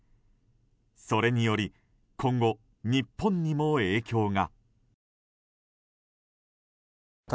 それにより今後日本にも影響が。